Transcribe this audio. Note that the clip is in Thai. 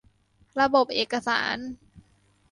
ระบบเอกสาร